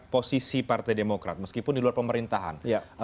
posisi partai demokrat meskipun di luar pemerintahan